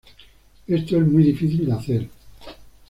Esto es muy difícil de hacer.